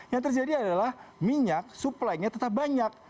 yang terjadi adalah minyak supply nya tetap banyak